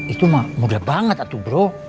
itu mah muda banget tuh bro